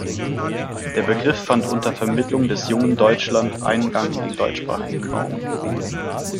Der Begriff fand unter Vermittlung des Jungen Deutschland Eingang in den deutschsprachigen Raum.